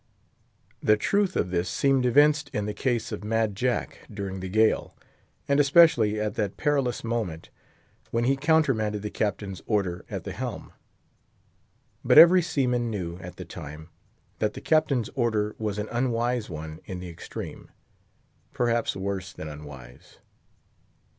The truth of this seemed evinced in the case of Mad Jack, during the gale, and especially at that perilous moment when he countermanded the Captain's order at the helm. But every seaman knew, at the time, that the Captain's order was an unwise one in the extreme; perhaps worse than unwise.